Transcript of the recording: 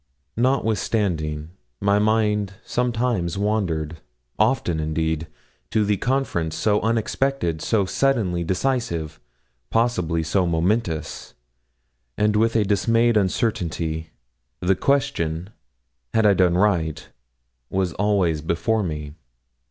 Notwithstanding my mind sometimes wandered, often indeed, to the conference so unexpected, so suddenly decisive, possibly so momentous; and with a dismayed uncertainly, the question had I done right? was always before me.